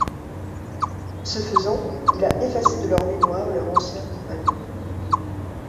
Ce faisant, il a effacé de leur mémoire leur ancien compagnon.